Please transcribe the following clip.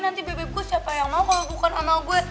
nanti bebeb gua siapa yang mau kalo bukan omel gua